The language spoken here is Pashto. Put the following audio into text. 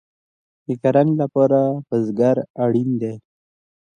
د کرنې لپاره بزګر اړین دی